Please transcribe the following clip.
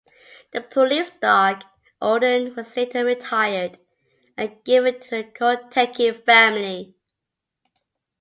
The police dog, Odin, was later retired and given to the Kotecki family.